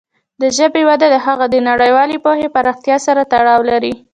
د ژبې وده د هغې د نړیوالې پوهې پراختیا سره تړاو لري.